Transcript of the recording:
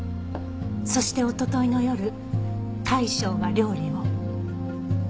そしておとといの夜大将が料理を。